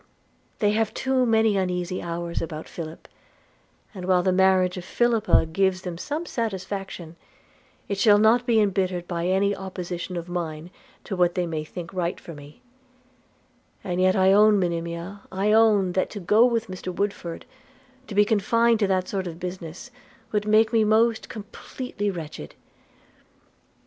They have too many uneasy hours about Philip; and while the marriage of Philippa gives them some satisfaction, it shall not be embittered by any opposition of mine to what they may think right for me – and yet I own, Monimia, I own, that to go with Mr Woodford, to be confined to that sort of business, would make me most completely wretched.'